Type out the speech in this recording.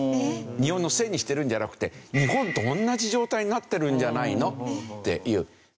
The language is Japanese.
日本のせいにしてるんじゃなくて日本と同じ状態になってるんじゃないのっていう。